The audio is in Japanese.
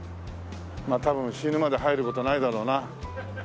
まあ多分死ぬまで入る事はないだろうなそれは。